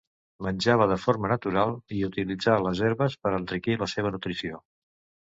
Menjava de forma natural i utilitzar les herbes per enriquir la seva nutrició.